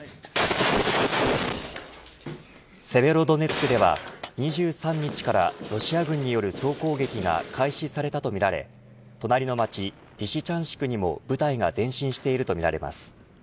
セベロドネツクでは２３日からロシア軍による総攻撃が開始されたとみられ隣の街リシチャンシクにも部隊が前進しているとみられます。